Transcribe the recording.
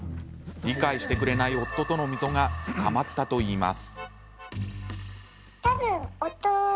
理解してくれない夫との溝が深まったといいます。